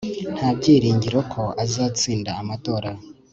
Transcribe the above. nta byiringiro ko azatsinda amatora